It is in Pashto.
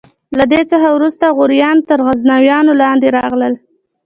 له دې څخه وروسته غوریان تر غزنویانو لاندې راغلل.